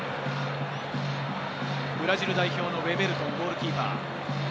ブラジル代表のウェベルトン、ゴールキーパー。